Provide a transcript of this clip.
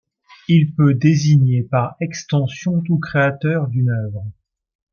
Il peut désigner par extension tout créateur d'une œuvre.